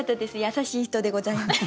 優しい人でございます。